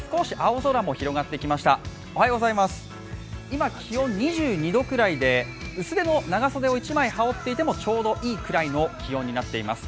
今、気温、２２度くらいで薄手の長袖を羽織っていてもちょうどいいくらいの気温になっています。